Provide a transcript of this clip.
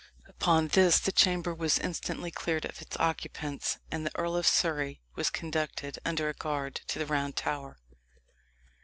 Upon this the chamber was instantly cleared of its occupants, and the Earl of Surrey was conducted, under a guard, to the Round Tower.